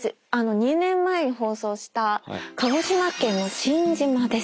２年前に放送した鹿児島県の新島です。